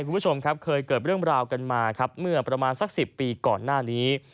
คุณผู้ชมครับเคยเกิดเรื่องราวกันมาครับเมื่อประมาณสัก๑๐ปีก่อนหน้านี้